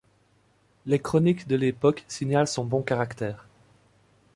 Les chroniques de l'époque signalent son bon caractère.